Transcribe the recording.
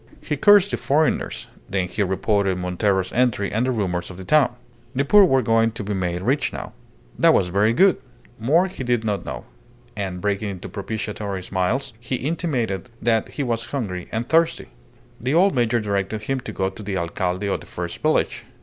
He cursed the foreigners; then he reported Montero's entry and the rumours of the town. The poor were going to be made rich now. That was very good. More he did not know, and, breaking into propitiatory smiles, he intimated that he was hungry and thirsty. The old major directed him to go to the alcalde of the first village.